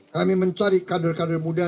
kami mencari kader kader muda